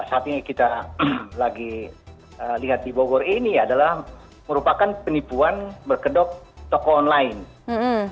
ya kejadian yang saat ini kita lagi lihat di bawah ini adalah merupakan penipuan berkedok toko online